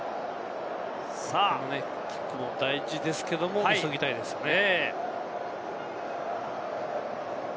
あのキックも大事ですけれども、急ぎたいですね。